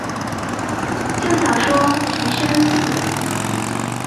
就想说提升速度